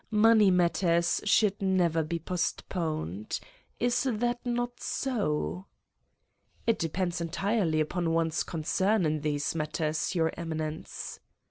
Money matters should never be postponed. Is that not so ?" "It depends entirely upon one's concern in these matters, Your Eminence."